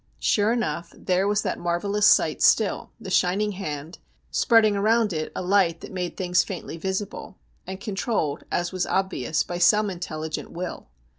Sure enough there was that marvel lous sight still, the shining hand, spreading around it a light that made things faintly visible ; and controlled, as was obvious, by some intelligent will.